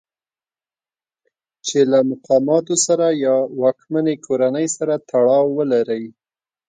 چې له مقاماتو سره یا واکمنې کورنۍ سره تړاو ولرئ.